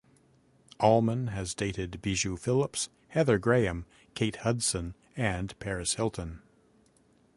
Allman has dated Bijou Phillips, Heather Graham, Kate Hudson, and Paris Hilton.